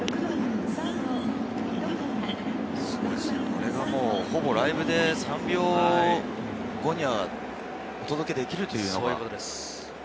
これがほぼライブで３秒後には、お届けできるというのが。